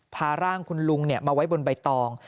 พาร่างคุณลุงมาไว้บนใบตอง